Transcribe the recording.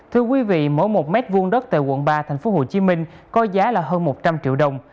thưa quý vị mỗi một mét vuông đất tại quận ba tp hcm có giá là hơn một trăm linh triệu đồng